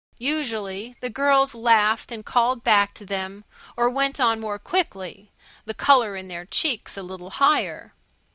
Usually the girls laughed and called back to them or went on more quickly, the colour in their cheeks a little higher.